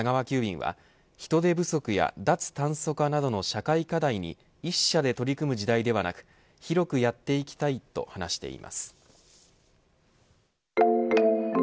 急便は人手不足や脱炭素化などの社会課題に１社で取り組む時代ではなく広くやっていきたいと話しています。